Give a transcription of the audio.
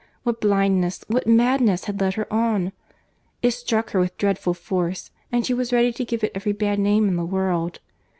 What blindness, what madness, had led her on! It struck her with dreadful force, and she was ready to give it every bad name in the world.